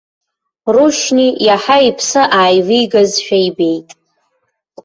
Рушьни иаҳа иԥсы ааивигазшәа ибеит.